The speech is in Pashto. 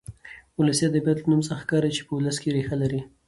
ولسي ادبيات له نوم څخه ښکاري چې په ولس کې ريښه لري.